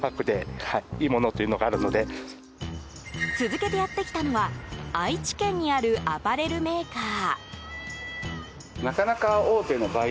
続けてやってきたのは愛知県にあるアパレルメーカー。